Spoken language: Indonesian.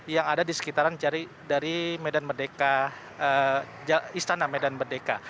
yang ada di sekitaran dari medan merdeka istana medan merdeka